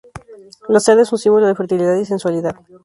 La cerda es un símbolo de fertilidad y sensualidad.